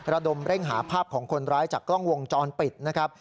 ระดมเร่งหาภาพของคนร้ายจากกล้องวงจรปิดนะครับ